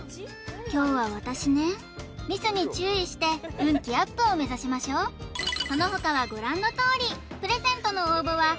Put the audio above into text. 凶は私ねミスに注意して運気アップを目指しましょうその他はご覧のとおりプレゼントの応募は＃